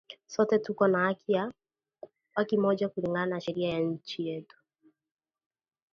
Sote tuko na haki moja kulingana na sheria ya inchi yetu